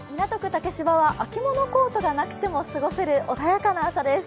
竹芝は秋物コートがなくても過ごせる穏やかな朝です。